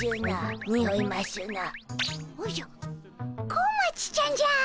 小町ちゃんじゃ！